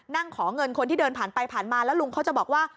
นั่งขอเงินคนที่เดินผ่านไปผ่านมาแล้วลุงเขาจะบอกว่า